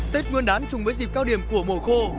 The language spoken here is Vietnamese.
tết nguyên đán chung với dịp cao điểm của mùa khô